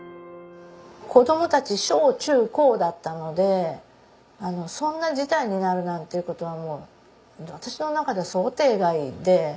子どもたち小中高だったのであのそんな事態になるなんていう事はもう私の中では想定外で。